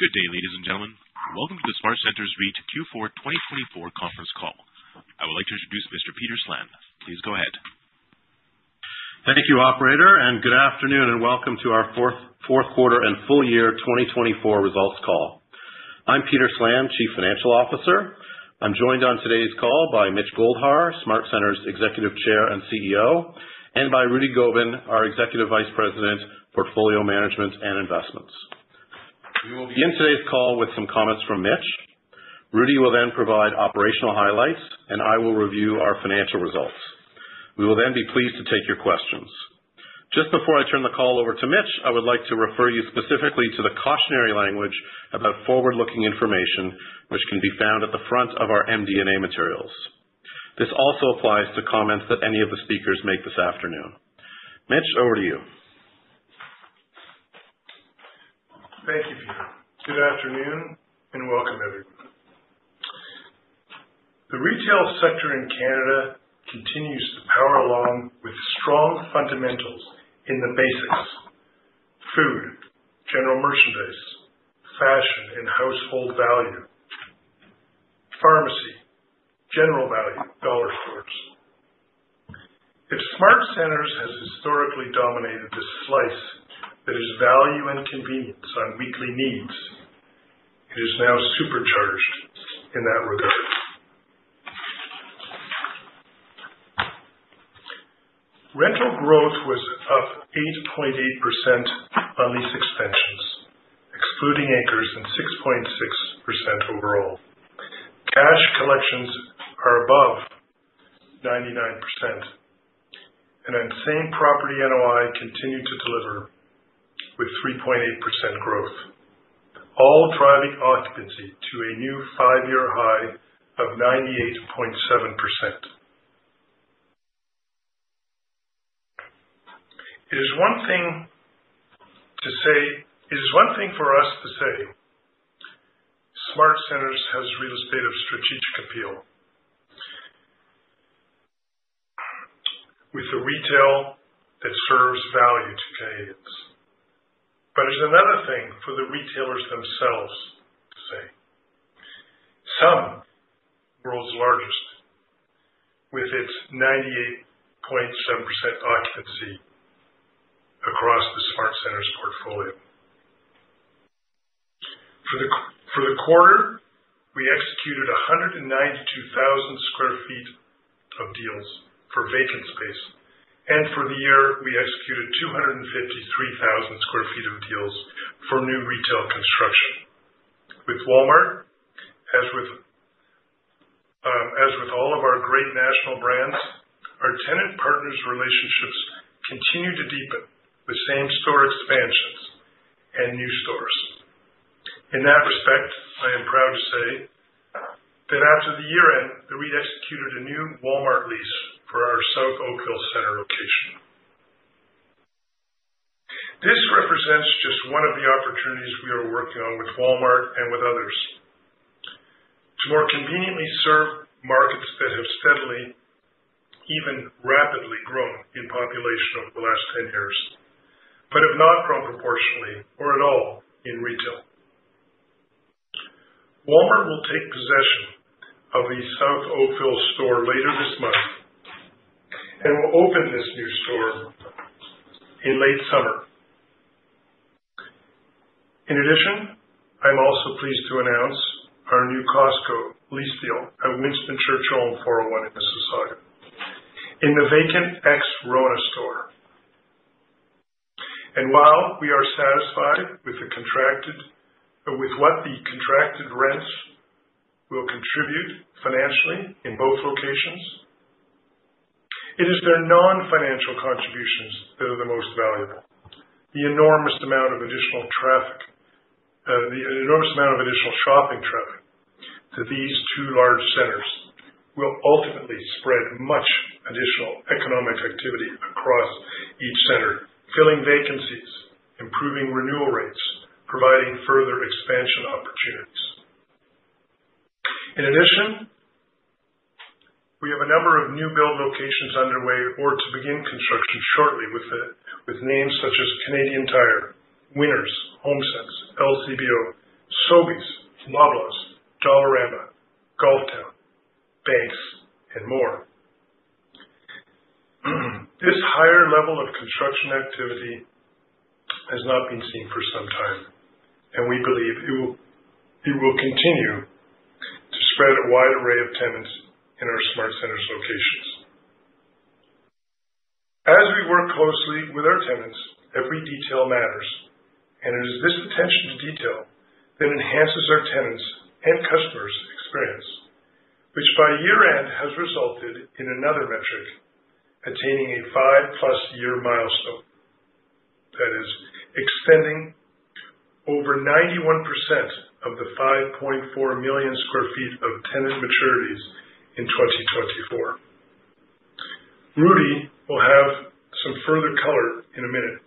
Good day, ladies and gentlemen. Welcome to the SmartCentres REIT Q4 2024 conference call. I would like to introduce Mr. Peter Slan. Please go ahead. Thank you, Operator, and good afternoon, and welcome to our fourth quarter and full year 2024 results call. I'm Peter Slan, Chief Financial Officer. I'm joined on today's call by Mitch Goldhar, SmartCentres Executive Chair and CEO, and by Rudy Gobin, our Executive Vice President, Portfolio Management and Investments. We will begin today's call with some comments from Mitch. Rudy will then provide operational highlights, and I will review our financial results. We will then be pleased to take your questions. Just before I turn the call over to Mitch, I would like to refer you specifically to the cautionary language about forward-looking information, which can be found at the front of our MD&A materials. This also applies to comments that any of the speakers make this afternoon. Mitch, over to you. Thank you, Peter. Good afternoon, and welcome, everyone. The retail sector in Canada continues to power along with strong fundamentals in the basics: food, general merchandise, fashion, and household value, pharmacy, general value, dollar stores. If SmartCentres has historically dominated this slice that is value and convenience on weekly needs, it is now supercharged in that regard. Rental growth was up 8.8% on lease extensions, excluding anchors, and 6.6% overall. Cash collections are above 99%, and on same-property NOI, continue to deliver with 3.8% growth, all driving occupancy to a new five-year high of 98.7%. It is one thing to say, it is one thing for us to say SmartCentres has real estate of strategic appeal with the retail that serves value to Canadians. But there's another thing for the retailers themselves to say. SmartCentres is the world's largest with its 98.7% occupancy across the SmartCentres portfolio. For the quarter, we executed 192,000 sq ft of deals for vacant space, and for the year, we executed 253,000 sq ft of deals for new retail construction. With Walmart, as with all of our great national brands, our tenant-partners relationships continue to deepen with same-store expansions and new stores. In that respect, I am proud to say that after the year-end, the REIT executed a new Walmart lease for our South Oakville Centre location. This represents just one of the opportunities we are working on with Walmart and with others to more conveniently serve markets that have steadily, even rapidly grown in population over the last 10 years, but have not grown proportionally or at all in retail. Walmart will take possession of the South Oakville store later this month and will open this new store in late summer. In addition, I'm also pleased to announce our new Costco lease deal at Winston Churchill on 401 in Mississauga in the vacant ex-Rona store, and while we are satisfied with what the contracted rents will contribute financially in both locations, it is their non-financial contributions that are the most valuable. The enormous amount of additional traffic, the enormous amount of additional shopping traffic, to these two large centers will ultimately spread much additional economic activity across each center, filling vacancies, improving renewal rates, providing further expansion opportunities. In addition, we have a number of new-build locations underway or to begin construction shortly with names such as Canadian Tire, Winners, HomeSense, LCBO, Sobeys, Loblaws, Dollarama, Golf Town, banks, and more. This higher level of construction activity has not been seen for some time, and we believe it will continue to spread a wide array of tenants in our SmartCentres locations. As we work closely with our tenants, every detail matters, and it is this attention to detail that enhances our tenants' and customers' experience, which by year-end has resulted in another metric: attaining a five-plus-year milestone. That is, extending over 91% of the 5.4 million sq ft of tenant maturities in 2024. Rudy will have some further color in a minute,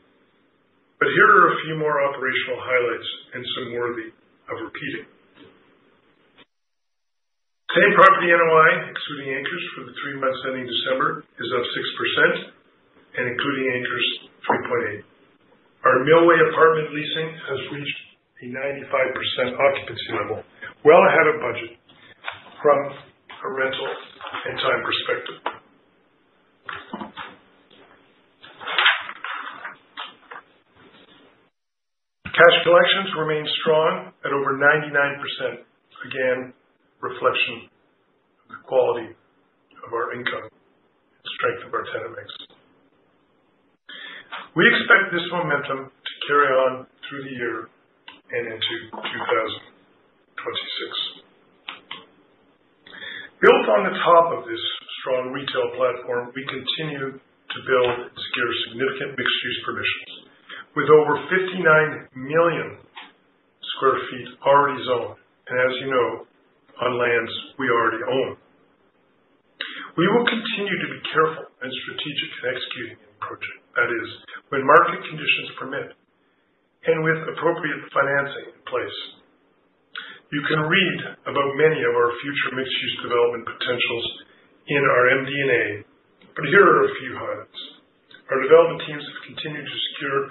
but here are a few more operational highlights and some worthy of repeating. Same property NOI, excluding anchors for the three months ending December, is up 6%, and including anchors, 3.8%. Our Millway apartment leasing has reached a 95% occupancy level, well ahead of budget from a rental and time perspective. Cash collections remain strong at over 99%, again, reflection of the quality of our income and strength of our tenant mix. We expect this momentum to carry on through the year and into 2026. Built on the top of this strong retail platform, we continue to build and secure significant mixed-use permissions with over 59 million sq ft already zoned, and as you know, on lands we already own. We will continue to be careful and strategic in executing the project. That is, when market conditions permit and with appropriate financing in place. You can read about many of our future mixed-use development potentials in our MD&A, but here are a few highlights. Our development teams have continued to secure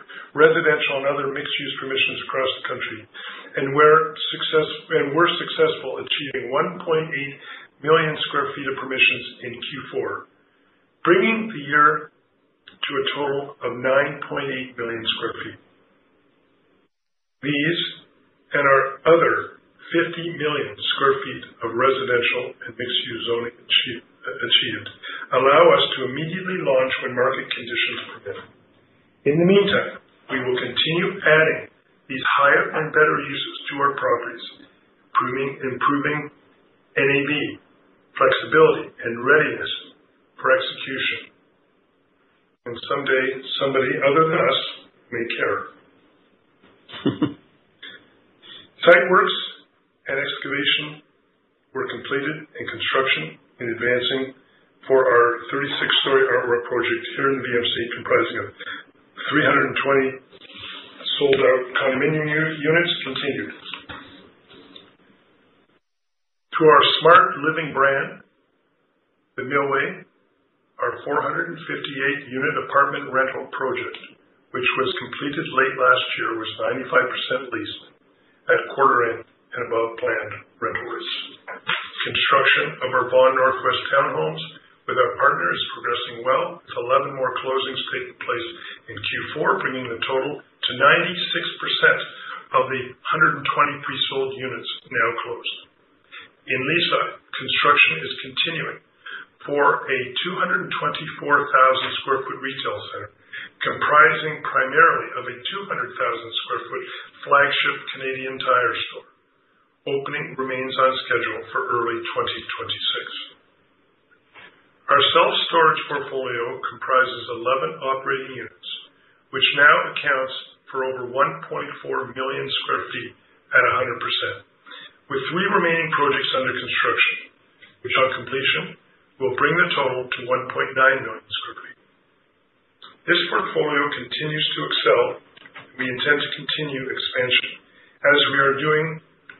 residential and other mixed-use permissions across the country, and we're successful achieving 1.8 million sq ft of permissions in Q4, bringing the year to a total of 9.8 million sq ft. These and our other 50 million sq ft of residential and mixed-use zoning achieved allow us to immediately launch when market conditions permit. In the meantime, we will continue adding these higher and better uses to our properties, improving NAV flexibility and readiness for execution, and someday somebody other than us may care. Site works and excavation were completed, and construction is advancing for our 36-story ArtWalk project here in the VMC, comprising of 320 sold-out condominium units, continued. To our SmartLiving brand, the Millway, our 458-unit apartment rental project, which was completed late last year, was 95% leased at quarter and above planned rental rates. Construction of our Vaughan Northwest townhomes with our partners is progressing well, with 11 more closings taking place in Q4, bringing the total to 96% of the 120 pre-sold units now closed. In Leaside, construction is continuing for a 224,000 sq ft retail center comprising primarily of a 200,000 sq ft flagship Canadian Tire store. Opening remains on schedule for early 2026. Our self-storage portfolio comprises 11 operating units, which now accounts for over 1.4 million sq ft at 100%, with three remaining projects under construction, which on completion will bring the total to 1.9 million sq ft. This portfolio continues to excel, and we intend to continue expansion as we are doing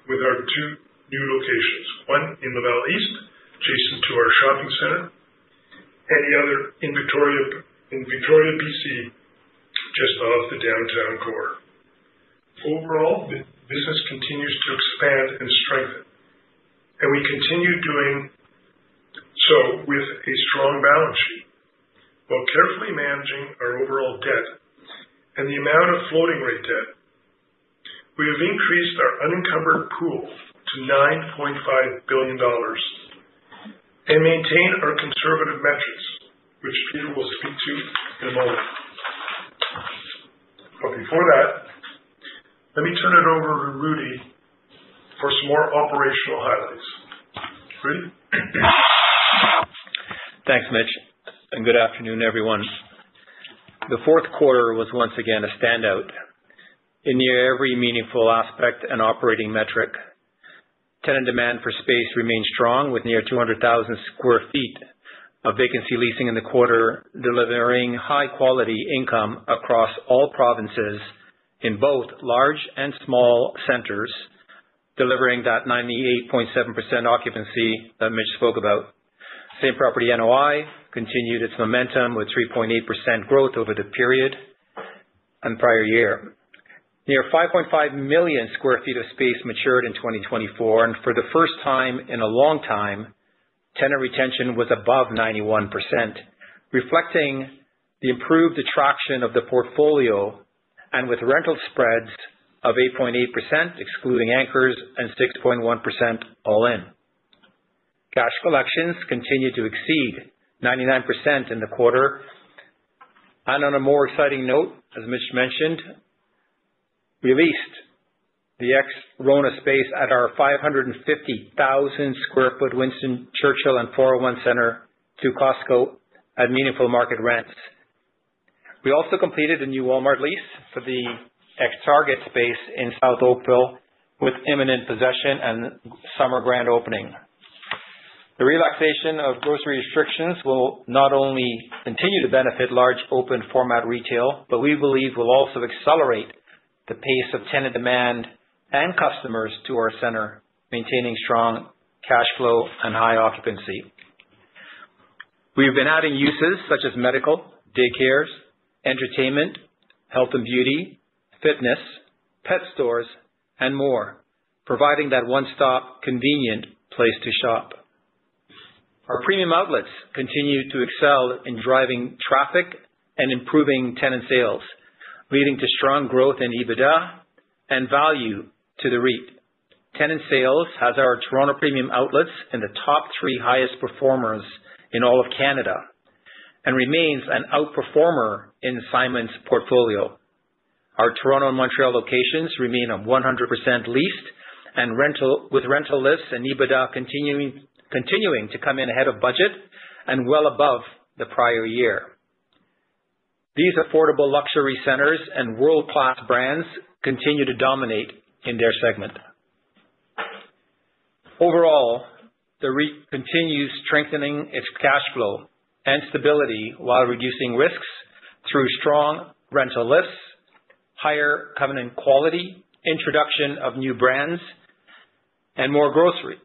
with our two new locations, one in Laval East, adjacent to our shopping center, and the other in Victoria, BC, just off the downtown core. Overall, business continues to expand and strengthen, and we continue doing so with a strong balance sheet. While carefully managing our overall debt and the amount of floating rate debt, we have increased our unencumbered pool to $9.5 billion and maintain our conservative metrics, which Peter will speak to in a moment. But before that, let me turn it over to Rudy for some more operational highlights. Rudy? Thanks, Mitch, and good afternoon, everyone. The fourth quarter was once again a standout in near every meaningful aspect and operating metric. Tenant demand for space remains strong, with near 200,000 sq ft of vacancy leasing in the quarter delivering high-quality income across all provinces in both large and small centers, delivering that 98.7% occupancy that Mitch spoke about. Same property NOI continued its momentum with 3.8% growth over the period and prior year. Near 5.5 million sq ft of space matured in 2024, and for the first time in a long time, tenant retention was above 91%, reflecting the improved attraction of the portfolio and with rental spreads of 8.8%, excluding anchors, and 6.1% all-in. Cash collections continued to exceed 99% in the quarter. On a more exciting note, as Mitch mentioned, we leased the ex-Rona space at our 550,000 sq ft Winston Churchill on 401 Center to Costco at meaningful market rents. We also completed a new Walmart lease for the ex-Target space in South Oakville with imminent possession and summer grand opening. The relaxation of grocery restrictions will not only continue to benefit large open format retail, but we believe will also accelerate the pace of tenant demand and customers to our center, maintaining strong cash flow and high occupancy. We've been adding uses such as medical, daycares, entertainment, health and beauty, fitness, pet stores, and more, providing that one-stop convenient place to shop. Our premium outlets continue to excel in driving traffic and improving tenant sales, leading to strong growth in EBITDA and value to the REIT. Tenant sales has our Toronto Premium Outlets in the top three highest performers in all of Canada and remains an outperformer in Simon's portfolio. Our Toronto and Montreal locations remain on 100% leased, and with rental lifts and EBITDA continuing to come in ahead of budget and well above the prior year. These affordable luxury centers and world-class brands continue to dominate in their segment. Overall, the REIT continues strengthening its cash flow and stability while reducing risks through strong rental lifts, higher covenant quality, introduction of new brands, and more grocery.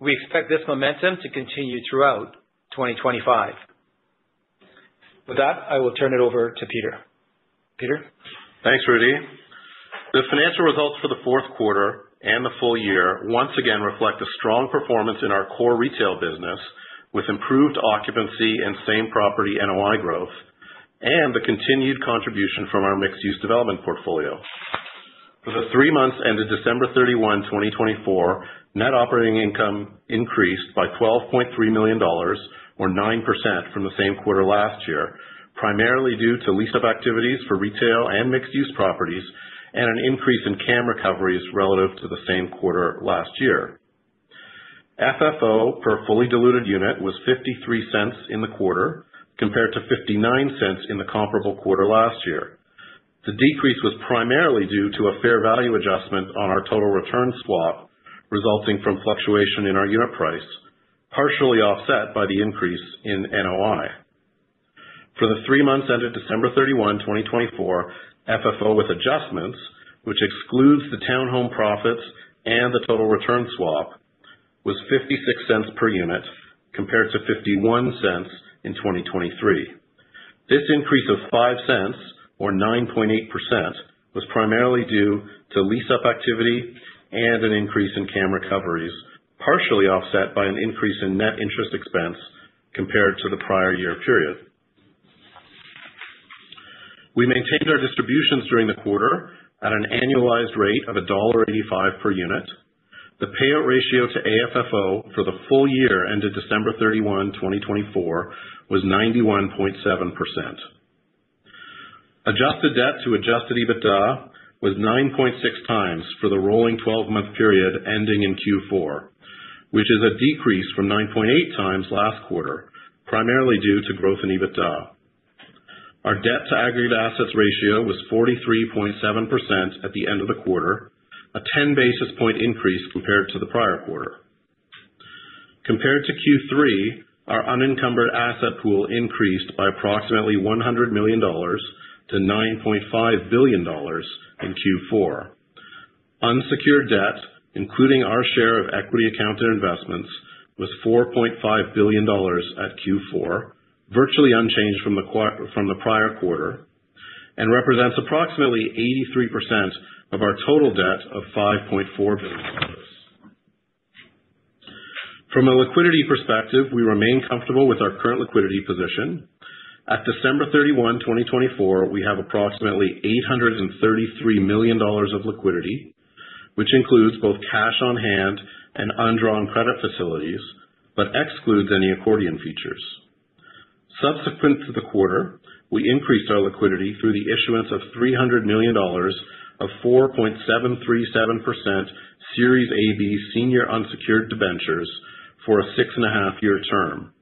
We expect this momentum to continue throughout 2025. With that, I will turn it over to Peter. Peter? Thanks, Rudy. The financial results for the fourth quarter and the full year once again reflect a strong performance in our core retail business with improved occupancy and same property NOI growth and the continued contribution from our mixed-use development portfolio. For the three months ended December 31, 2024, net operating income increased by $12.3 million, or 9% from the same quarter last year, primarily due to lease-up activities for retail and mixed-use properties and an increase in CAM recoveries relative to the same quarter last year. AFFO per fully diluted unit was $0.53 in the quarter compared to $0.59 in the comparable quarter last year. The decrease was primarily due to a fair value adjustment on our total return swap resulting from fluctuation in our unit price, partially offset by the increase in NOI. For the three months ended December 31, 2024, AFFO with adjustments, which excludes the townhome profits and the total return swap, was $0.56 per unit compared to $0.51 in 2023. This increase of $0.05, or 9.8%, was primarily due to lease-up activity and an increase in CAM recoveries, partially offset by an increase in net interest expense compared to the prior year period. We maintained our distributions during the quarter at an annualized rate of $1.85 per unit. The payout ratio to AFFO for the full year ended December 31, 2024, was 91.7%. Adjusted debt to adjusted EBITDA was 9.6x for the rolling 12-month period ending in Q4, which is a decrease from 9.8x last quarter, primarily due to growth in EBITDA. Our debt to aggregate assets ratio was 43.7% at the end of the quarter, a 10 basis point increase compared to the prior quarter. Compared to Q3, our unencumbered asset pool increased by approximately $100 million-$9.5 billion in Q4. Unsecured debt, including our share of equity accounted investments, was $4.5 billion at Q4, virtually unchanged from the prior quarter, and represents approximately 83% of our total debt of $5.4 [billion]. From a liquidity perspective, we remain comfortable with our current liquidity position. At December 31, 2024, we have approximately $833 million of liquidity, which includes both cash on hand and undrawn credit facilities, but excludes any accordion features. Subsequent to the quarter, we increased our liquidity through the issuance of $300 million of 4.737% Series AD Senior Unsecured Debentures for a six-and-a-half-year term.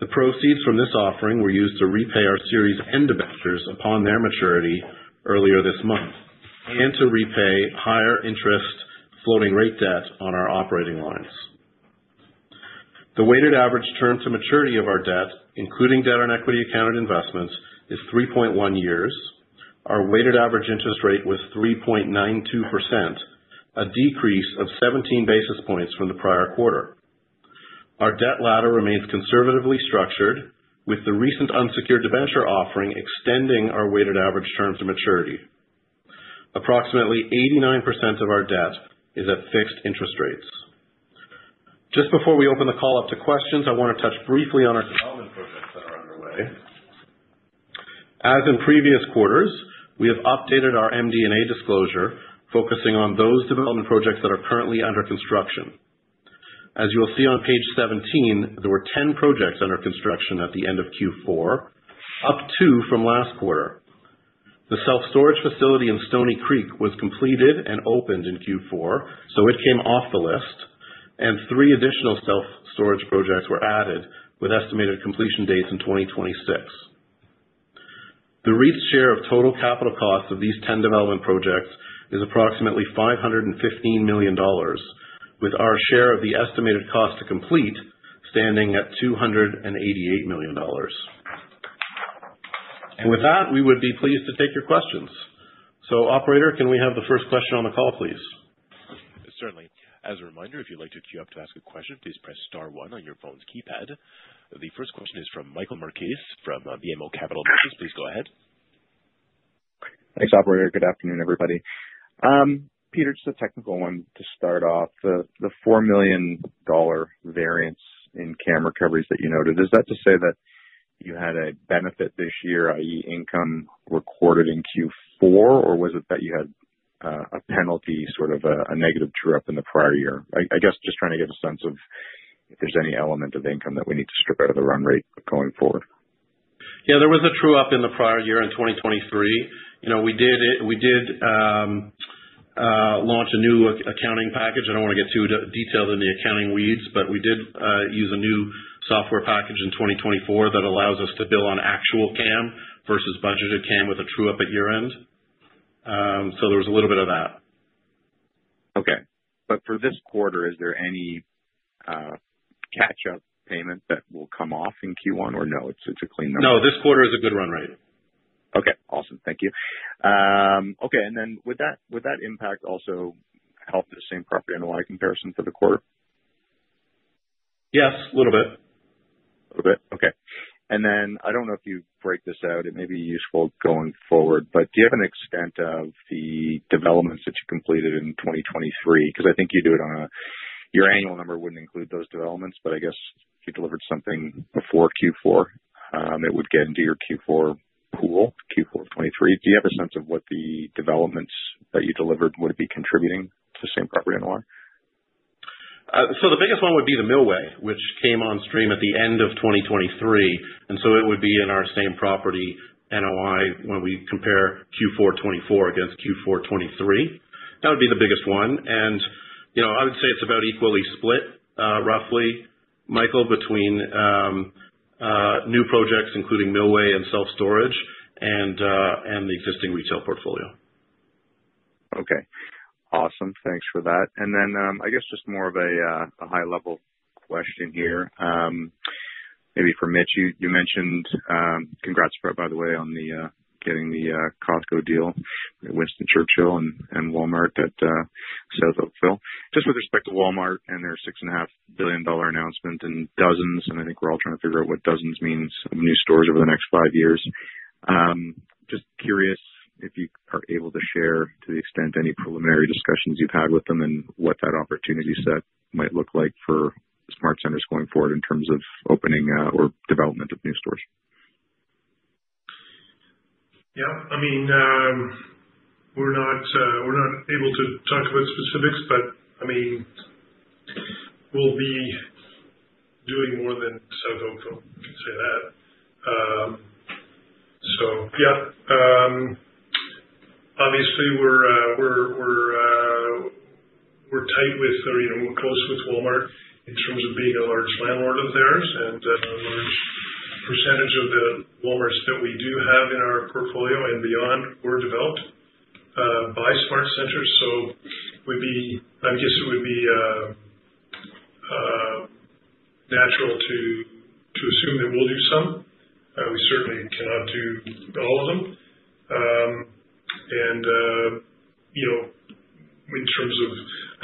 The proceeds from this offering were used to repay our Series N Debentures upon their maturity earlier this month and to repay higher interest floating rate debt on our operating lines. The weighted average term to maturity of our debt, including debt on equity accounted investments, is 3.1 years. Our weighted average interest rate was 3.92%, a decrease of 17 basis points from the prior quarter. Our debt ladder remains conservatively structured, with the recent unsecured debenture offering extending our weighted average term to maturity. Approximately 89% of our debt is at fixed interest rates. Just before we open the call up to questions, I want to touch briefly on our development projects that are underway. As in previous quarters, we have updated our MD&A disclosure, focusing on those development projects that are currently under construction. As you'll see on page 17, there were 10 projects under construction at the end of Q4, up two from last quarter. The self-storage facility in Stoney Creek was completed and opened in Q4, so it came off the list, and three additional self-storage projects were added with estimated completion dates in 2026. The REIT's share of total capital costs of these 10 development projects is approximately $515 million, with our share of the estimated cost to complete standing at $288 million. And with that, we would be pleased to take your questions. So, Operator, can we have the first question on the call, please? Certainly. As a reminder, if you'd like to queue up to ask a question, please press star one on your phone's keypad. The first question is from Michael Markidis from BMO Capital. Please go ahead. Thanks, Operator. Good afternoon, everybody. Peter, just a technical one to start off. The $4 million variance in CAM recoveries that you noted, is that to say that you had a benefit this year, i.e., income recorded in Q4, or was it that you had a penalty, sort of a negative true-up in the prior year? I guess just trying to get a sense of if there's any element of income that we need to strip out of the run rate going forward. Yeah, there was a true-up in the prior year in 2023. We did launch a new accounting package. I don't want to get too detailed in the accounting weeds, but we did use a new software package in 2024 that allows us to bill on actual CAM versus budgeted CAM with a true-up at year-end. So there was a little bit of that. Okay, but for this quarter, is there any catch-up payment that will come off in Q1, or no, it's a clean number? No, this quarter is a good run rate. Okay. Awesome. Thank you. Okay. And then would that impact also help the same property NOI comparison for the quarter? Yes, a little bit. A little bit? Okay, and then I don't know if you break this out. It may be useful going forward, but do you have an extent of the developments that you completed in 2023? Because I think you do it on your annual number wouldn't include those developments, but I guess if you delivered something before Q4, it would get into your Q4 pool, Q4 2023. Do you have a sense of what the developments that you delivered would be contributing to the same property NOI? So the biggest one would be the Millway, which came on stream at the end of 2023. And so it would be in our same property NOI when we compare Q4 2024 against Q4 2023. That would be the biggest one. And I would say it's about equally split, roughly, Michael, between new projects, including Millway and self-storage, and the existing retail portfolio. Okay. Awesome. Thanks for that. And then I guess just more of a high-level question here, maybe for Mitch. You mentioned, congrats, by the way, on getting the Costco deal with Winston Churchill and Walmart at South Oakville. Just with respect to Walmart and their $6.5 billion announcement and dozens, and I think we're all trying to figure out what dozens means, of new stores over the next five years. Just curious if you are able to share to the extent any preliminary discussions you've had with them and what that opportunity set might look like for SmartCentres going forward in terms of opening or development of new stores. Yeah. I mean, we're not able to talk about specifics, but I mean, we'll be doing more than South Oakville, say that. So yeah. Obviously, we're tight with or close with Walmart in terms of being a large landlord of theirs, and a large percentage of the Walmarts that we do have in our portfolio and beyond were developed by SmartCentres. So I guess it would be natural to assume that we'll do some. We certainly cannot do all of them. And in terms of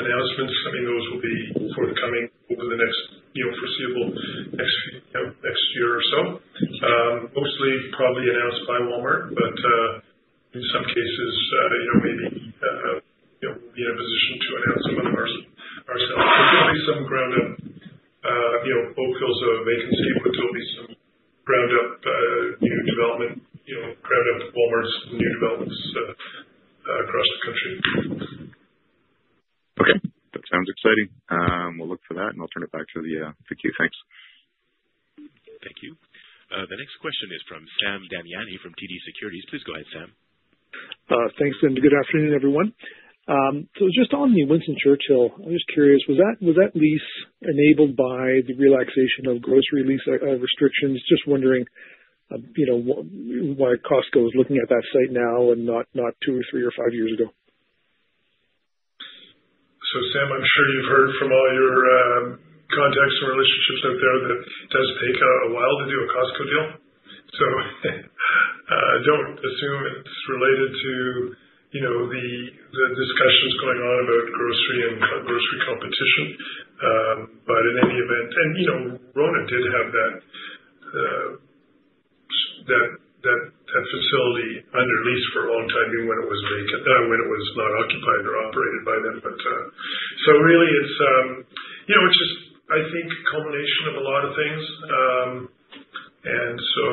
announcements, I mean, those will be forthcoming over the next foreseeable year or so, mostly probably announced by Walmart, but in some cases, maybe we'll be in a position to announce some of them ourselves. There'll be some ground-up Oakvilles, some vacancies, but there'll be some ground-up new development, ground-up Walmarts new developments across the country. Okay. That sounds exciting. We'll look for that, and I'll turn it back to the queue. Thanks. Thank you. The next question is from Sam Damiani from TD Securities. Please go ahead, Sam. Thanks, and good afternoon, everyone. So just on the Winston Churchill, I'm just curious, was that lease enabled by the relaxation of grocery lease restrictions? Just wondering why Costco is looking at that site now and not two or three or five years ago. So Sam, I'm sure you've heard from all your contacts and relationships out there that it does take a while to do a Costco deal. So don't assume it's related to the discussions going on about grocery and grocery competition. But in any event, and Rona did have that facility under lease for a long time when it was not occupied or operated by them. But so really, it's just, I think, a culmination of a lot of things. And so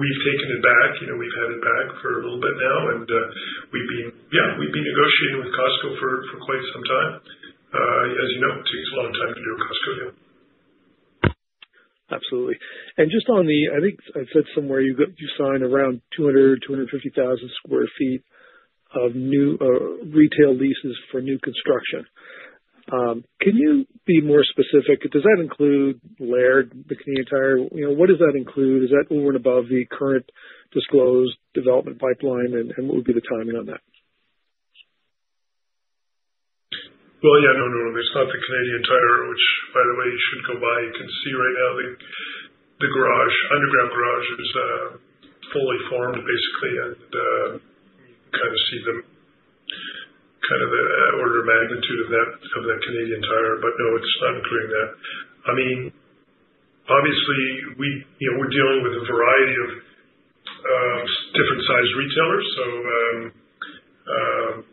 we've taken it back. We've had it back for a little bit now. And yeah, we've been negotiating with Costco for quite some time. As you know, it takes a long time to do a Costco deal. Absolutely. And just on the, I think I said somewhere you signed around 200, 000 sq ft-250,000 sq ft of retail leases for new construction. Can you be more specific? Does that include Laird, the Canadian Tire? What does that include? Is that over and above the current disclosed development pipeline, and what would be the timing on that? Well, yeah, no, no, no. It's not the Canadian Tire, which, by the way, you should go by. You can see right now the underground garage is fully formed, basically, and you can kind of see kind of the order of magnitude of that Canadian Tire. But no, it's not including that. I mean, obviously, we're dealing with a variety of different-sized retailers, so it's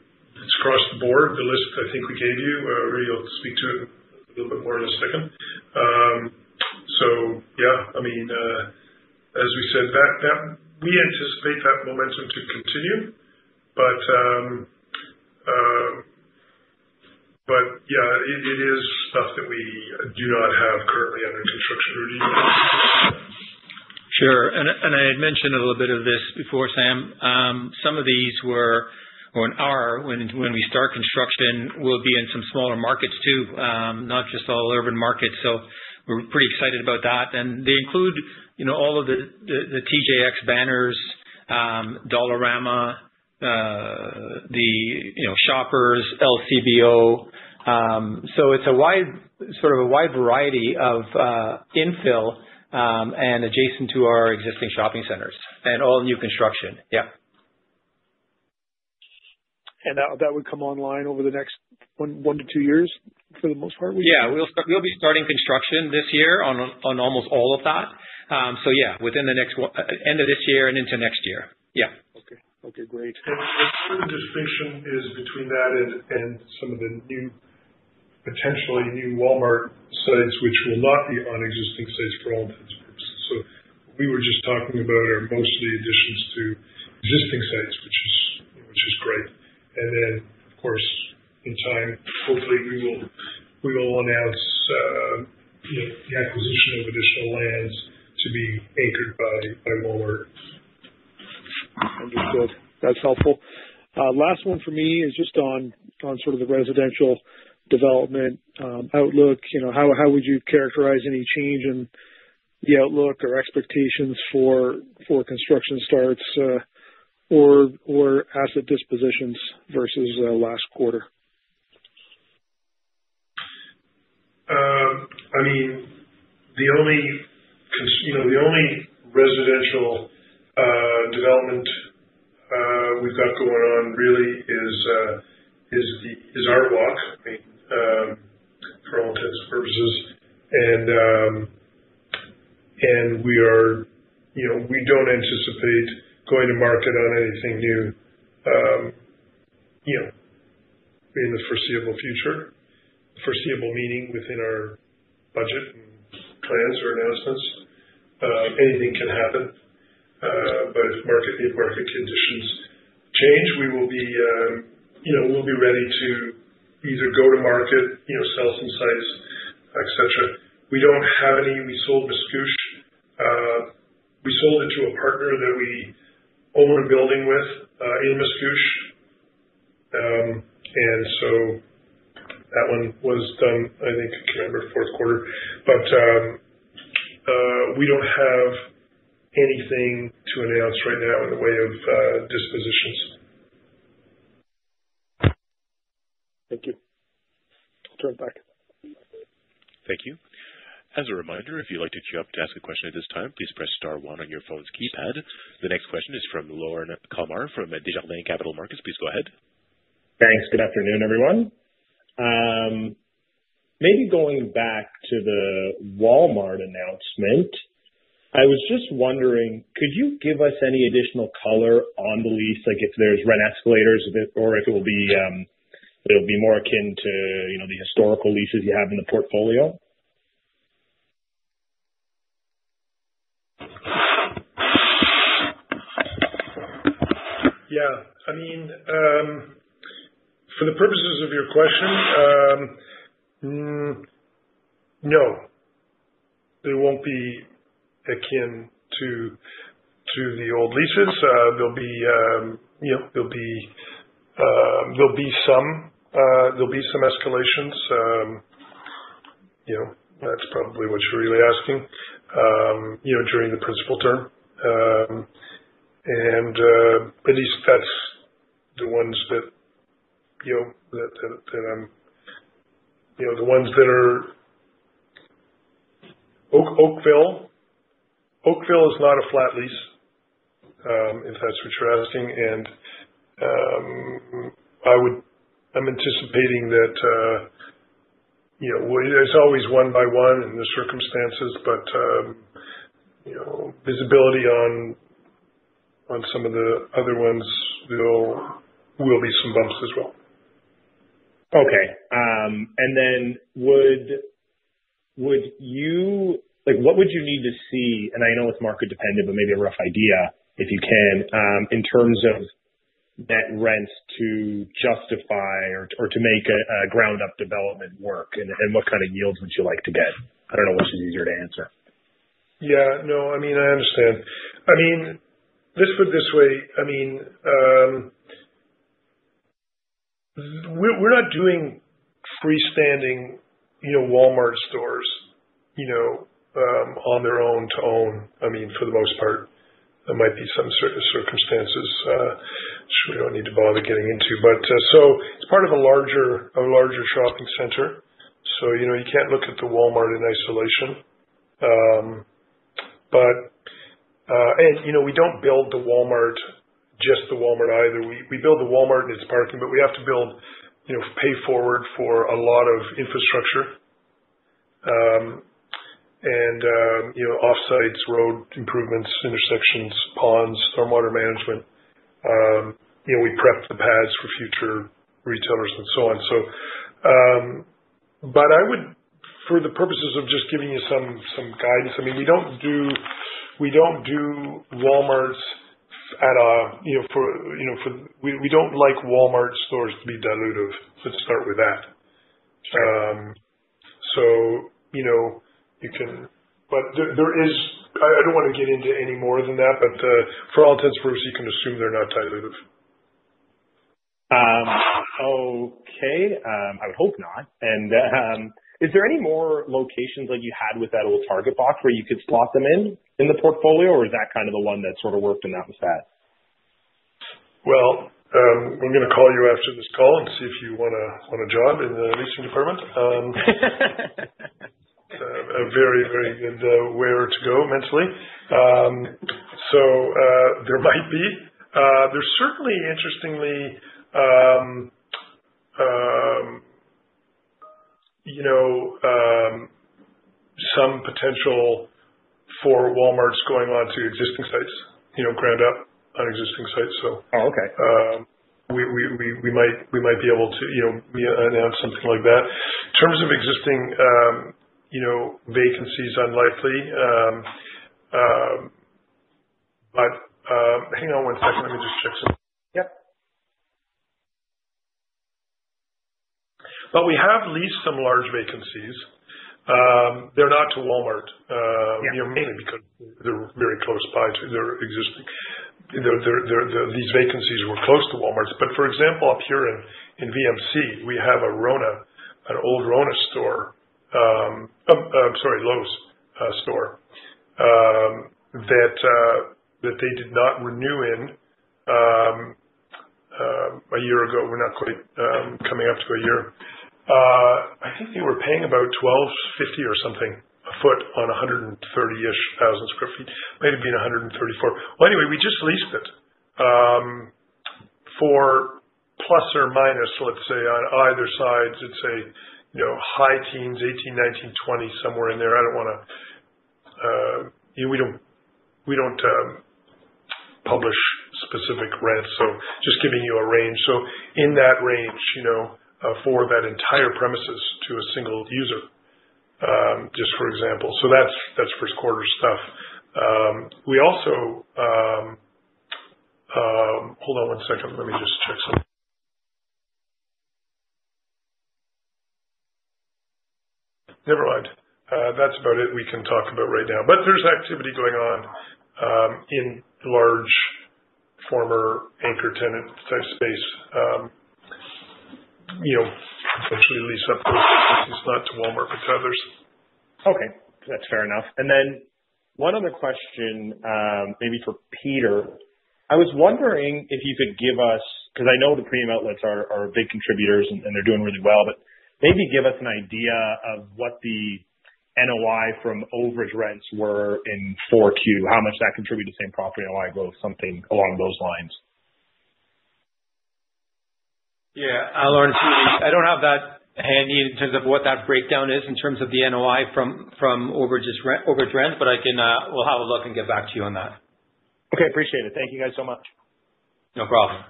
across the board. The list I think we gave you, we'll speak to it a little bit more in a second. So yeah, I mean, as we said, we anticipate that momentum to continue. But yeah, it is stuff that we do not have currently under construction. Sure. And I had mentioned a little bit of this before, Sam. Some of these when we start construction will be in some smaller markets too, not just all urban markets. So we're pretty excited about that. And they include all of the TJX banners, Dollarama, the Shoppers, LCBO. So it's sort of a wide variety of infill and adjacent to our existing shopping centers and all new construction. Yeah. That would come online over the next one-to-two years for the most part? Yeah. We'll be starting construction this year on almost all of that. So yeah, within the end of this year and into next year. Yeah. Okay. Okay. Great. And the distinction is between that and some of the potentially new Walmart sites, which will not be on existing sites for all intents and purposes. So what we were just talking about are mostly additions to existing sites, which is great. And then, of course, in time, hopefully, we will announce the acquisition of additional lands to be anchored by Walmart. Understood. That's helpful. Last one for me is just on sort of the residential development outlook. How would you characterize any change in the outlook or expectations for construction starts or asset dispositions versus last quarter? I mean, the only residential development we've got going on really is our ArtWalk, I mean, for all intents and purposes, and we don't anticipate going to market on anything new in the foreseeable future, foreseeable meaning within our budget plans or announcements. Anything can happen, but if market conditions change, we will be ready to either go to market, sell some sites, etc. We don't have any. We sold Mascouche. We sold it to a partner that we own a building with in Mascouche, and so that one was done, I think. I can't remember, fourth quarter, but we don't have anything to announce right now in the way of dispositions. Thank you. I'll turn it back. Thank you. As a reminder, if you'd like to queue up to ask a question at this time, please press star one on your phone's keypad. The next question is from Lorne Kalmar from Desjardins Capital Markets. Please go ahead. Thanks. Good afternoon, everyone. Maybe going back to the Walmart announcement, I was just wondering, could you give us any additional color on the lease, like if there's rent escalators or if it will be more akin to the historical leases you have in the portfolio? Yeah. I mean, for the purposes of your question, no, there won't be akin to the old leases. There'll be some escalations. That's probably what you're really asking during the principal term. And at least that's the ones that are Oakville. Oakville is not a flat lease, if that's what you're asking. And I'm anticipating that it's always one by one in the circumstances, but visibility on some of the other ones will be some bumps as well. Okay. And then, what would you need to see? And I know it's market-dependent, but maybe a rough idea, if you can, in terms of net rents to justify or to make a ground-up development work? And what kind of yields would you like to get? I don't know which is easier to answer. Yeah. No, I mean, I understand. I mean, let's put it this way. I mean, we're not doing freestanding Walmart stores on their own to own. I mean, for the most part, there might be some circumstances which we don't need to bother getting into. But so it's part of a larger shopping center. So you can't look at the Walmart in isolation. And we don't build the Walmart just the Walmart either. We build the Walmart and its parking, but we have to pay for a lot of infrastructure and off-sites, road improvements, intersections, ponds, stormwater management. We prep the pads for future retailers and so on. But for the purposes of just giving you some guidance, I mean, we don't do Walmarts at a loss. We don't like Walmart stores to be dilutive. Let's start with that. So you can, but there is. I don't want to get into any more than that, but for all intents and purposes, you can assume they're not dilutive. Okay. I would hope not, and is there any more locations like you had with that old Target box where you could slot them in the portfolio, or is that kind of the one that sort of worked and that was that? I'm going to call you after this call and see if you want a job in the leasing department. A very, very good way to go mentally. There might be. There's certainly, interestingly, some potential for Walmarts going on to existing sites, ground-up on existing sites. We might be able to announce something like that. In terms of existing vacancies, unlikely, but hang on one second. Let me just check something. Yep. But we have leased some large vacancies. They're not to Walmart, mainly because they're very close by to their existing. These vacancies were close to Walmart's. But for example, up here in VMC, we have an old Rona store. I'm sorry, Lowe's store. That they did not renew in a year ago. We're not quite coming up to a year. I think they were paying about $1,250 or something a foot on 130-ish thousand sq ft. Might have been 134, 000 sq ft. Well, anyway, we just leased it for plus or minus, let's say, on either side, let's say, high teens, 18, 19, 20, somewhere in there. I don't want to. We don't publish specific rents, so just giving you a range. So in that range for that entire premises to a single user, just for example. So that's first quarter stuff. We also, hold on one second, let me just check something. Never mind. That's about it we can talk about right now. But there's activity going on in large former anchor tenant-type space, potentially lease up those vacancies, not to Walmart, but to others. Okay. That's fair enough. And then one other question, maybe for Peter. I was wondering if you could give us, because I know the premium outlets are big contributors and they're doing really well, but maybe give us an idea of what the NOI from overage rents were in 4Q, how much that contributed to same property NOI growth, something along those lines. Yeah. I'll answer you. I don't have that handy in terms of what that breakdown is in terms of the NOI from overage rents, but we'll have a look and get back to you on that. Okay. Appreciate it. Thank you guys so much. No problem.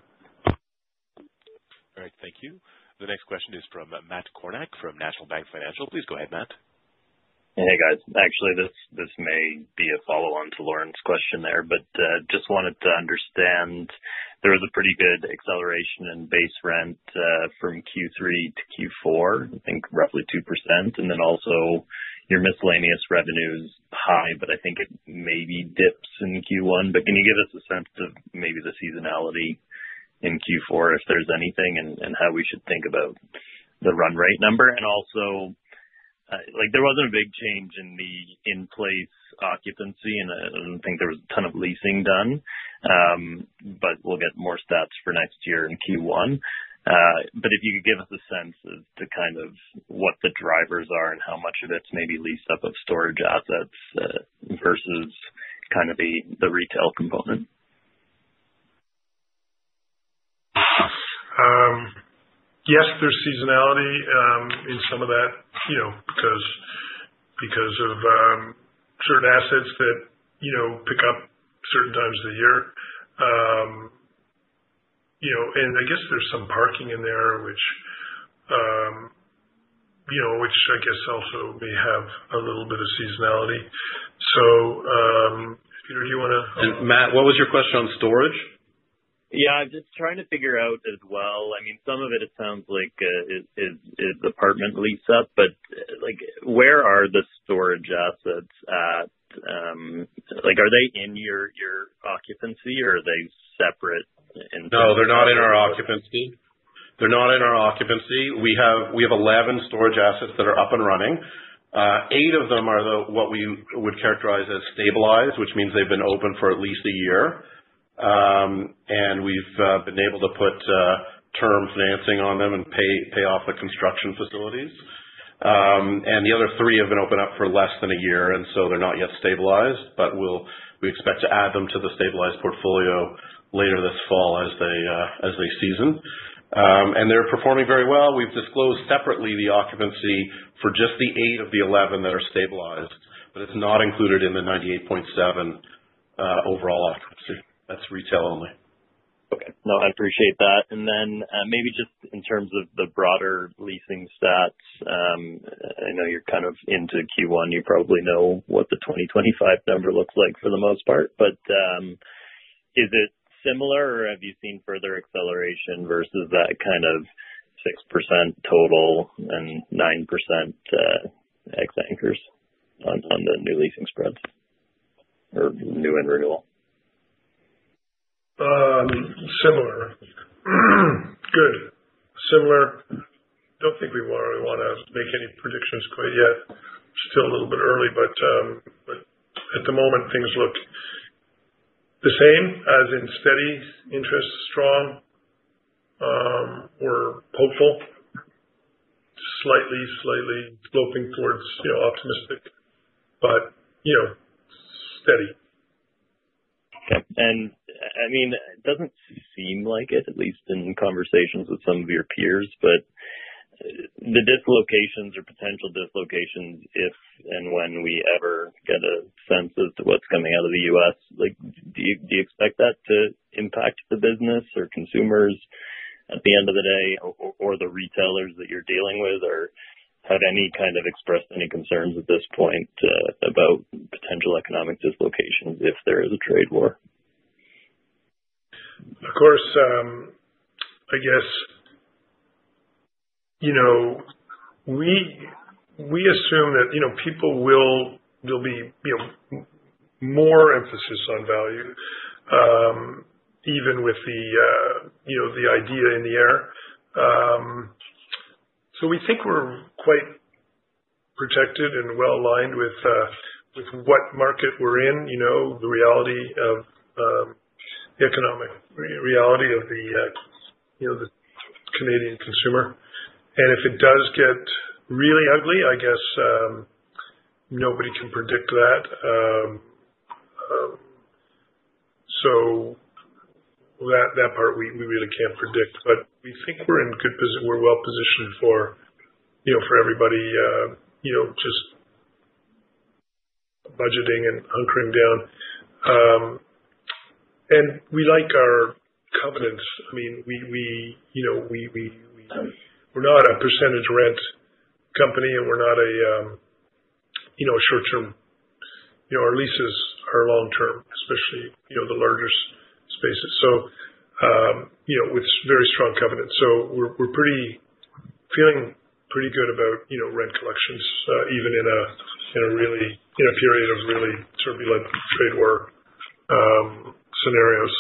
All right. Thank you. The next question is from Matt Kornack from National Bank Financial. Please go ahead, Matt. Hey, guys. Actually, this may be a follow-on to Lauren's question there, but just wanted to understand there was a pretty good acceleration in base rent from Q3 to Q4, I think roughly 2%. And then also your miscellaneous revenue is high, but I think it maybe dips in Q1. But can you give us a sense of maybe the seasonality in Q4, if there's anything, and how we should think about the run rate number? And also, there wasn't a big change in the in-place occupancy, and I don't think there was a ton of leasing done, but we'll get more stats for next year in Q1. But if you could give us a sense as to kind of what the drivers are and how much of it's maybe leased up of storage assets versus kind of the retail component? Yes, there's seasonality in some of that because of certain assets that pick up certain times of the year, and I guess there's some parking in there, which I guess also may have a little bit of seasonality, so Peter, do you want to? Matt, what was your question on storage? Yeah. I'm just trying to figure out as well. I mean, some of it, it sounds like, is apartment lease up, but where are the storage assets at? Are they in your occupancy or are they separate in terms of? No, they're not in our occupancy. They're not in our occupancy. We have 11 storage assets that are up and running. Eight of them are what we would characterize as stabilized, which means they've been open for at least a year. We've been able to put term financing on them and pay off the construction facilities. The other three have been open up for less than a year, and so they're not yet stabilized, but we expect to add them to the stabilized portfolio later this fall as they season. They're performing very well. We've disclosed separately the occupancy for just the eight of the 11 that are stabilized, but it's not included in the 98.7% overall occupancy. That's retail only. Okay. No, I appreciate that. And then maybe just in terms of the broader leasing stats, I know you're kind of into Q1. You probably know what the 2025 number looks like for the most part, but is it similar or have you seen further acceleration versus that kind of 6% total and 9% ex-anchors on the new leasing spreads or new and renewal? Similar. Good. Similar. Don't think we want to make any predictions quite yet. It's still a little bit early, but at the moment, things look the same as in steady interest, strong, or hopeful, slightly sloping towards optimistic, but steady. Okay, and I mean, it doesn't seem like it, at least in conversations with some of your peers, but the dislocations or potential dislocations, if and when we ever get a sense as to what's coming out of the U.S., do you expect that to impact the business or consumers at the end of the day or the retailers that you're dealing with? Or have any kind of expressed any concerns at this point about potential economic dislocations if there is a trade war? Of course. I guess we assume that people will be more emphasis on value, even with the idea in the air. So we think we're quite protected and well aligned with what market we're in, the reality of the economic reality of the Canadian consumer. And if it does get really ugly, I guess nobody can predict that. So that part, we really can't predict, but we think we're in good position. We're well positioned for everybody just budgeting and hunkering down. And we like our covenants. I mean, we're not a percentage rent company, and we're not a short-term. Our leases are long-term, especially the largest spaces. So it's very strong covenants. So we're feeling pretty good about rent collections, even in a period of really turbulent trade war scenarios.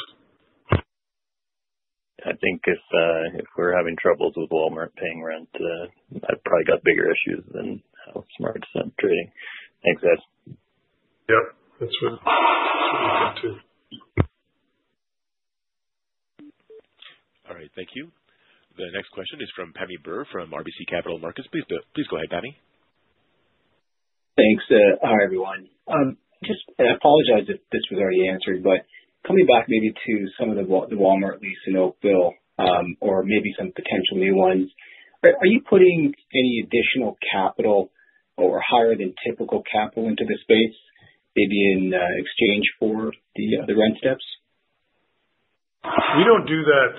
I think if we're having troubles with Walmart paying rent, I've probably got bigger issues than how Smart's trading. Thanks, guys. Yep. That's what we've got too. All right. Thank you. The next question is from Pammi Bir from RBC Capital Markets. Please go ahead, Pammi. Thanks. Hi, everyone. I apologize if this was already answered, but coming back maybe to some of the Walmart lease in Oakville or maybe some potential new ones, are you putting any additional capital or higher than typical capital into the space, maybe in exchange for the rent steps? We don't do that,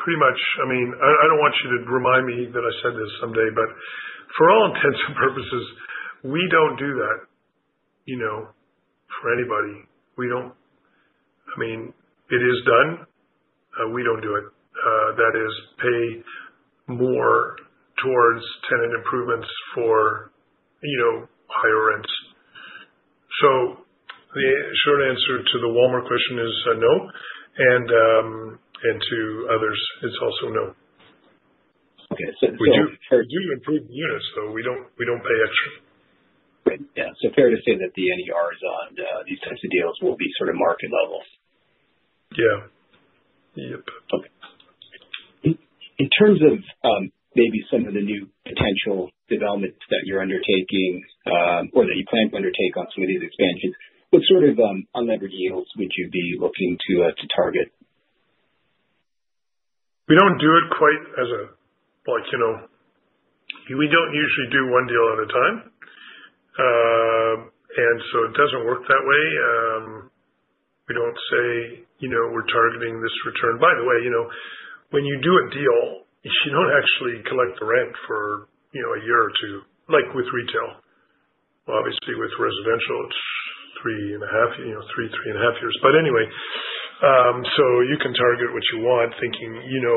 pretty much. I mean, I don't want you to remind me that I said this someday, but for all intents and purposes, we don't do that for anybody. I mean, it is done. We don't do it. That is, pay more towards tenant improvements for higher rents, so the short answer to the Walmart question is no, and to others, it's also no. We do improve the units, though. We don't pay extra. Right. Yeah, so fair to say that the NERs on these types of deals will be sort of market level. Yeah. Yep. Okay. In terms of maybe some of the new potential developments that you're undertaking or that you plan to undertake on some of these expansions, what sort of unlevered yields would you be looking to target? We don't usually do one deal at a time. It doesn't work that way. We don't say we're targeting this return. By the way, when you do a deal, you don't actually collect the rent for a year or two, like with retail. Obviously, with residential, it's three and a half years. Anyway, you can target what you want, thinking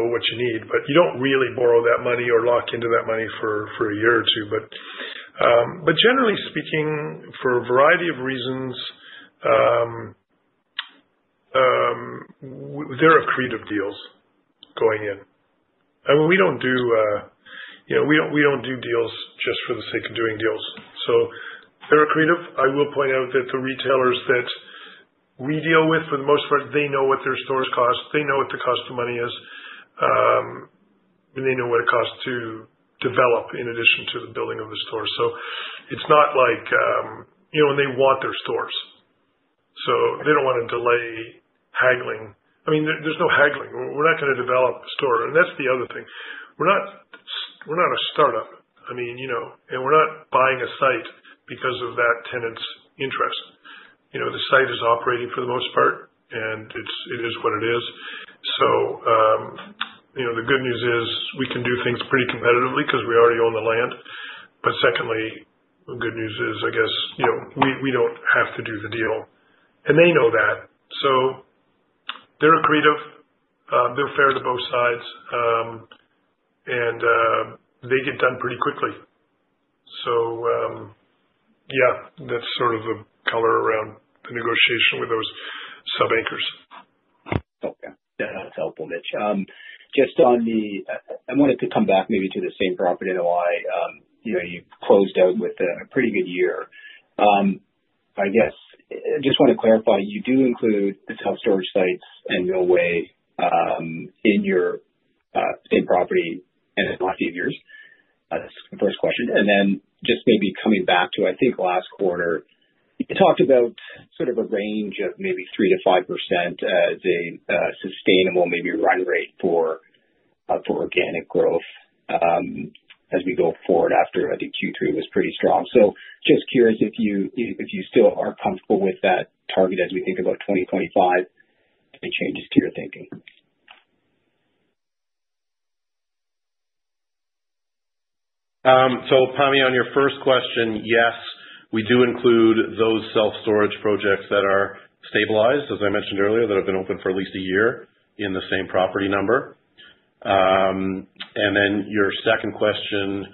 what you need, but you don't really borrow that money or lock into that money for a year or two. Generally speaking, for a variety of reasons, there are creative deals going in. We don't do deals just for the sake of doing deals. They're creative. I will point out that the retailers that we deal with, for the most part, they know what their stores cost. They know what the cost of money is. They know what it costs to develop in addition to the building of the store. So it's not like, and they want their stores, so they don't want to delay haggling. I mean, there's no haggling. We're not going to develop a store, and that's the other thing. We're not a startup. I mean, and we're not buying a site because of that tenant's interest. The site is operating for the most part, and it is what it is. So the good news is we can do things pretty competitively because we already own the land, but secondly, the good news is, I guess, we don't have to do the deal, and they know that. So they're creative. They're fair to both sides, and they get done pretty quickly. Yeah, that's sort of the color around the negotiation with those sub-anchors. Okay. That's helpful, Mitch. Just on the, I wanted to come back maybe to the same property NOI. You closed out with a pretty good year. I guess I just want to clarify, you do include the self-storage sites and Millway in your same property NOI and last few years. That's the first question. And then just maybe coming back to, I think, last quarter, you talked about sort of a range of maybe 3%-5% as a sustainable maybe run rate for organic growth as we go forward after, I think, Q3 was pretty strong. So just curious if you still are comfortable with that target as we think about 2025, any changes to your thinking? So Pammi, on your first question, yes, we do include those self-storage projects that are stabilized, as I mentioned earlier, that have been open for at least a year in the same property number. And then your second question,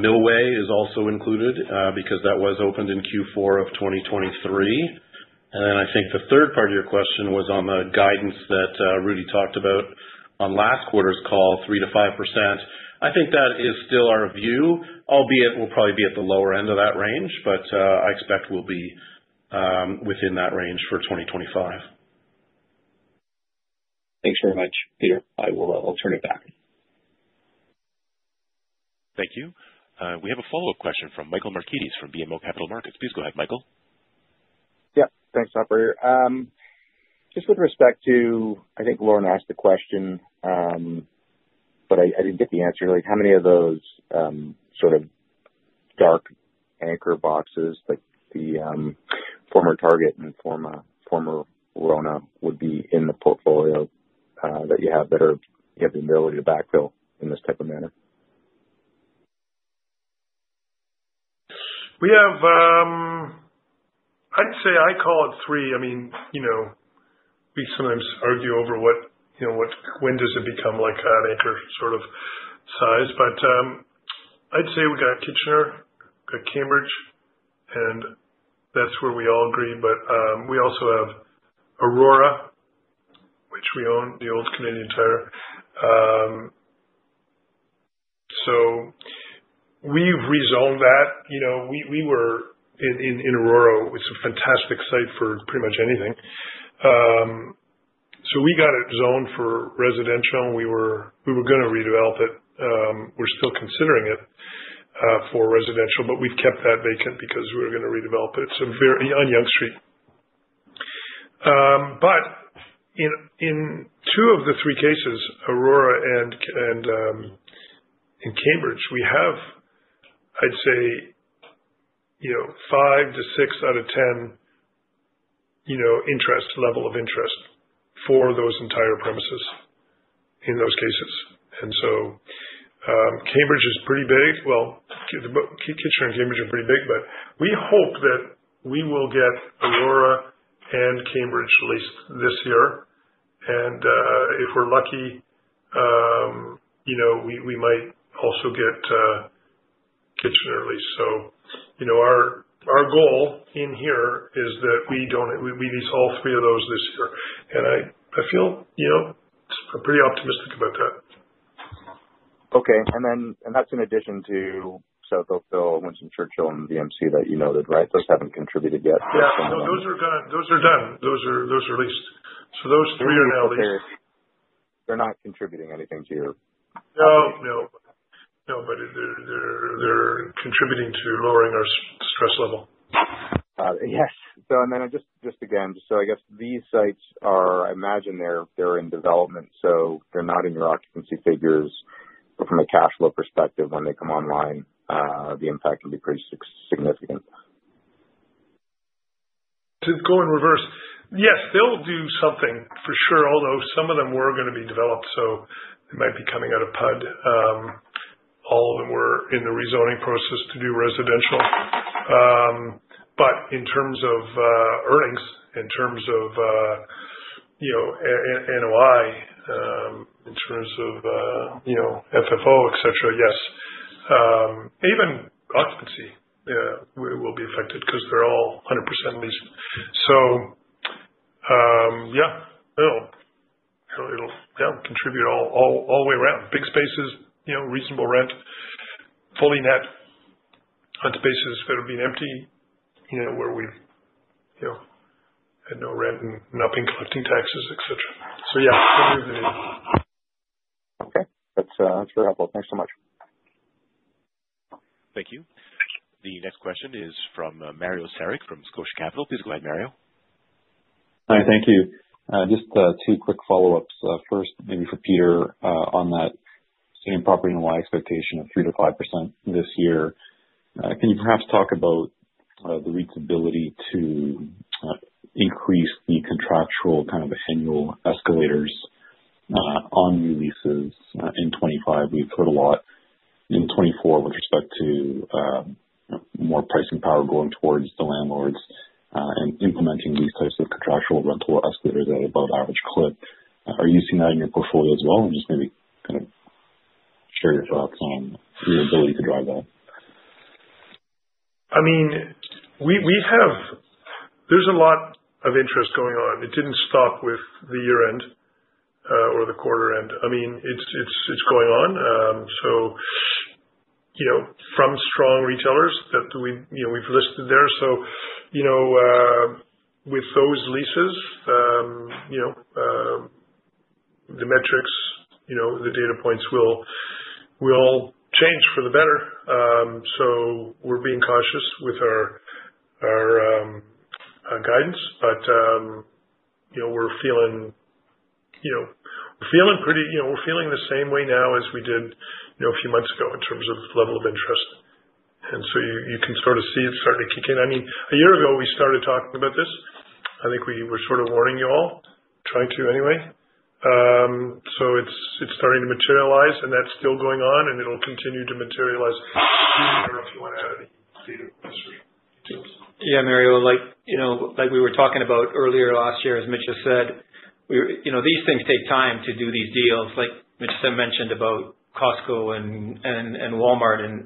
Millway is also included because that was opened in Q4 of 2023. And then I think the third part of your question was on the guidance that Rudy talked about on last quarter's call, 3%-5%. I think that is still our view, albeit we'll probably be at the lower end of that range, but I expect we'll be within that range for 2025. Thanks very much, Peter. I'll turn it back. Thank you. We have a follow-up question from Michael Markidis from BMO Capital Markets. Please go ahead, Michael. Yep. Thanks, operator. Just with respect to, I think Lorne asked the question, but I didn't get the answer. How many of those sort of dark anchor boxes, like the former Target and former Rona would be in the portfolio that you have the ability to backfill in this type of manner? I'd say I call it three. I mean, we sometimes argue over what, when does it become like an anchor sort of size, but I'd say we got Kitchener, we got Cambridge, and that's where we all agree, but we also have Aurora, which we own, the old Canadian Tire. So we've rezoned that. We were in Aurora. It's a fantastic site for pretty much anything. So we got it zoned for residential, and we were going to redevelop it. We're still considering it for residential, but we've kept that vacant because we're going to redevelop it. It's on Yonge Street, but in two of the three cases, Aurora and Cambridge, we have, I'd say, five to six out of 10 interest level of interest for those entire premises in those cases, and so Cambridge is pretty big. Kitchener and Cambridge are pretty big, but we hope that we will get Aurora and Cambridge leased this year. If we're lucky, we might also get Kitchener leased. Our goal indeed is that we lease all three of those this year. I feel pretty optimistic about that. Okay. And that's in addition to South Oakville, Winston Churchill, and VMC that you noted, right? Those haven't contributed yet. Yeah. No, those are done. Those are leased. So those three are now leased. They're not contributing anything to your. No, no. No, but they're contributing to lowering our stress level. Yes. So then just again, so I guess these sites are, I imagine, they're in development, so they're not in your occupancy figures. But from a cash flow perspective, when they come online, the impact can be pretty significant. To go in reverse, yes, they'll do something for sure, although some of them were going to be developed, so they might be coming out of PUD. All of them were in the rezoning process to do residential, but in terms of earnings, in terms of NOI, in terms of AFFO, etc., yes, even occupancy will be affected because they're all 100% leased, so yeah, it'll contribute all the way around. Big spaces, reasonable rent, fully net on spaces that have been empty where we've had no rent and not been collecting taxes, etc., so yeah, it'll be revenue. Okay. That's very helpful. Thanks so much. Thank you. The next question is from Mario Saric from Scotia Capital. Please go ahead, Mario. Hi, thank you. Just two quick follow-ups. First, maybe for Peter, on that same property NOI expectation of 3%-5% this year. Can you perhaps talk about the reasonableness to increase the contractual kind of annual escalators on new leases in 2025? We've heard a lot in 2024 with respect to more pricing power going towards the landlords and implementing these types of contractual rental escalators at above-average clip. Are you seeing that in your portfolio as well, and just maybe kind of share your thoughts on your ability to drive that. I mean, there's a lot of interest going on. It didn't stop with the year-end or the quarter-end. I mean, it's going on. So from strong retailers that we've listed there. So with those leases, the metrics, the data points will change for the better. So we're being cautious with our guidance, but we're feeling pretty the same way now as we did a few months ago in terms of level of interest, and so you can sort of see it's starting to kick in. I mean, a year ago, we started talking about this. I think we were sort of warning you all, trying to anyway. So it's starting to materialize, and that's still going on, and it'll continue to materialize. If you want to add any data or history. Yeah, Mario, like we were talking about earlier last year, as Mitch has said, these things take time to do these deals. Like Mitch mentioned about Costco and Walmart and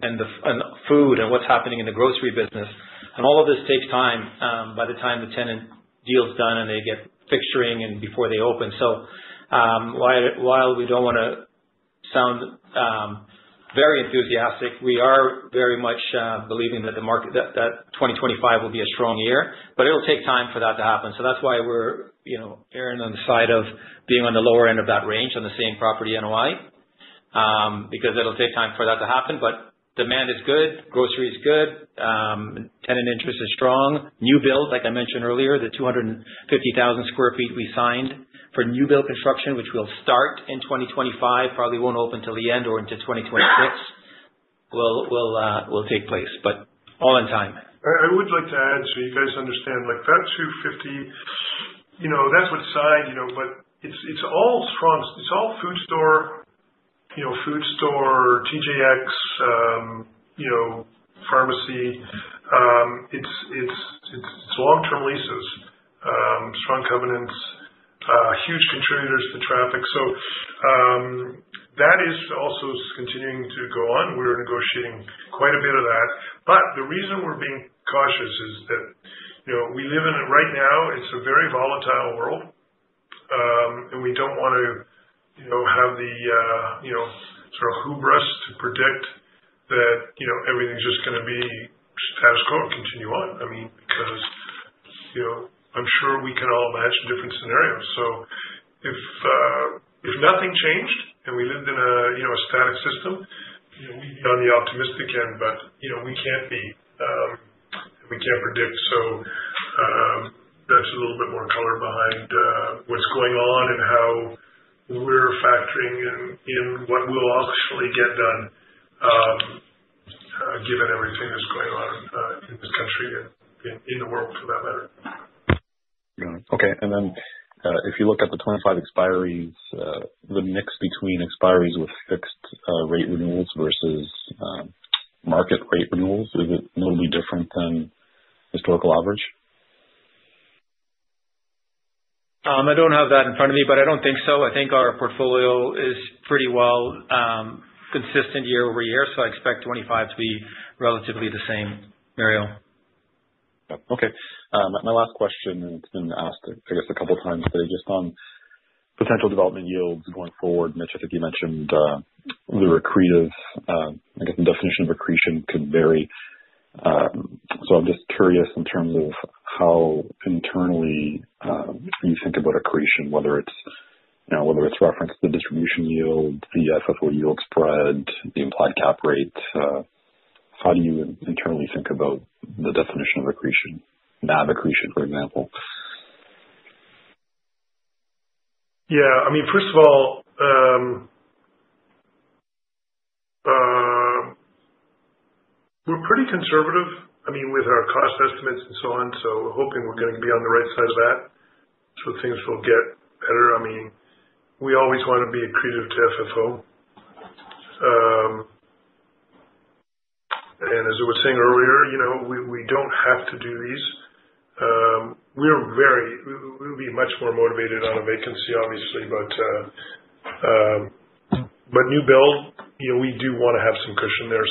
food and what's happening in the grocery business. And all of this takes time by the time the tenant deal's done and they get fixturing and before they open. So while we don't want to sound very enthusiastic, we are very much believing that 2025 will be a strong year, but it'll take time for that to happen. So that's why we're erring on the side of being on the lower end of that range on the same property NOI because it'll take time for that to happen. But demand is good. Grocery is good. Tenant interest is strong. New build, like I mentioned earlier, the 250,000 sq ft we signed for new build construction, which will start in 2025, probably won't open till the end or into 2026, will take place, but all in time. I would like to add, so you guys understand, that 250, 000 sq ft, that's what's signed, but it's all food store, food store, TJX, pharmacy. It's long-term leases, strong covenants, huge contributors to traffic. So that is also continuing to go on. We're negotiating quite a bit of that. But the reason we're being cautious is that we live in right now, it's a very volatile world, and we don't want to have the sort of hubris to predict that everything's just going to be status quo and continue on. I mean, because I'm sure we can all imagine different scenarios. So if nothing changed and we lived in a static system, we'd be on the optimistic end, but we can't be and we can't predict. So that's a little bit more color behind what's going on and how we're factoring in what will actually get done given everything that's going on in this country and in the world for that matter. Got it. Okay. And then if you look at the 25 expiries, the mix between expiries with fixed rate renewals versus market rate renewals, is it notably different than historical average? I don't have that in front of me, but I don't think so. I think our portfolio is pretty well consistent year over year, so I expect 2025 to be relatively the same, Mario. Okay. My last question, and it's been asked, I guess, a couple of times today, just on potential development yields going forward. Mitch, I think you mentioned the recreative, I guess, the definition of accretion could vary. So I'm just curious in terms of how internally you think about accretion, whether it's referenced to the distribution yield, the AFFO yield spread, the implied cap rate. How do you internally think about the definition of accretion, NAV accretion, for example? Yeah. I mean, first of all, we're pretty conservative, I mean, with our cost estimates and so on. So we're hoping we're going to be on the right side of that, so things will get better. I mean, we always want to be accretive to AFFO, and as I was saying earlier, we don't have to do these. We would be much more motivated on a vacancy, obviously, but new build, we do want to have some cushion there,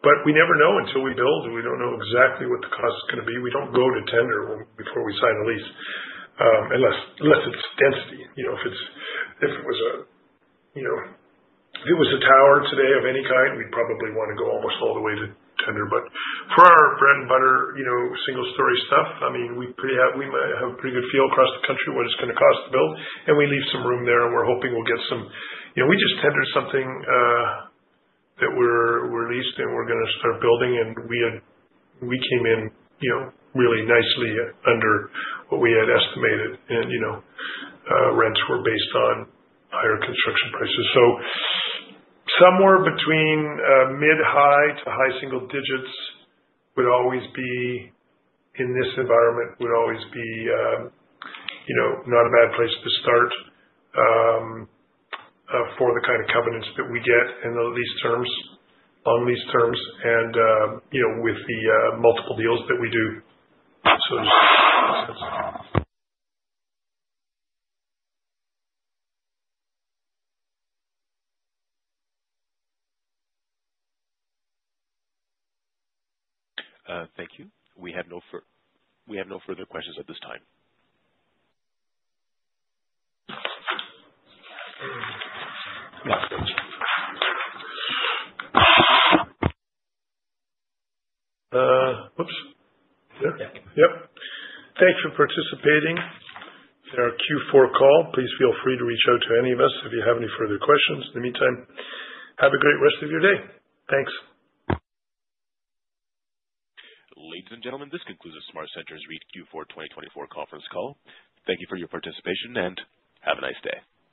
but we never know until we build. We don't know exactly what the cost is going to be. We don't go to tender before we sign a lease, unless it's density. If it was a tower today of any kind, we'd probably want to go almost all the way to tender. But for our bread and butter single-story stuff, I mean, we have a pretty good feel across the country what it's going to cost to build, and we leave some room there, and we're hoping we'll get some. We just tendered something that we're leased, and we're going to start building. And we came in really nicely under what we had estimated, and rents were based on higher construction prices. So somewhere between mid-high to high single digits would always be in this environment not a bad place to start for the kind of covenants that we get in the lease terms, on lease terms, and with the multiple deals that we do. Thank you. We have no further questions at this time. Oops. Yeah. Thanks for participating. If you're on a Q4 call, please feel free to reach out to any of us if you have any further questions. In the meantime, have a great rest of your day. Thanks. Ladies and gentlemen, this concludes the SmartCentres REIT Q4 2024 conference call. Thank you for your participation and have a nice day.